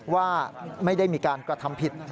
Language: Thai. ว่าไม่ได้มีการกระทำผิด